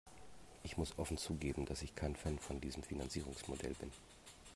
Ich muss offen zugeben, dass ich kein Fan von diesem Finanzierungsmodell bin.